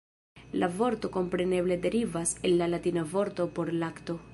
La vorto kompreneble derivas el la latina vorto por lakto.